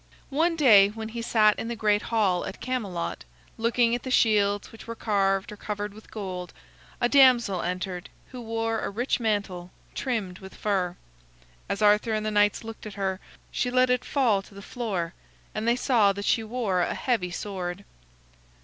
One day when he sat in the great hall at Camelot, looking at the shields which were carved or covered with gold, a damsel entered who wore a rich mantle, trimmed with fur. As Arthur and the knights looked at her, she let it fall to the floor, and they saw that she wore a heavy sword.